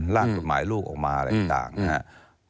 ร่างกฎหมายลูกออกมาอะไรต่างนะครับ